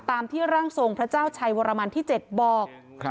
ตามที่ร่างทรงพระเจ้าชัยวรมันที่๗บอก